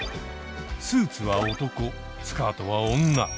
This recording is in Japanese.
スーツは男スカートは女。